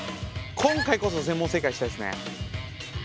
今回こそ全問正解したいですね。